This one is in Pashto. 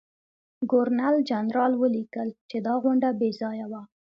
ګورنرجنرال ولیکل چې دا غونډه بې ځایه وه.